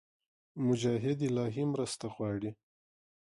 مجاهد د الهي مرسته غواړي.